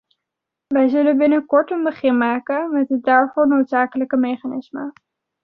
Wij zullen binnenkort een begin maken met het daarvoor noodzakelijke mechanisme.